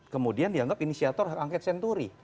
kemudian dianggap inisiator hak angket senturi